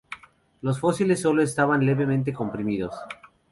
Los fósiles solo estaban levemente comprimidos.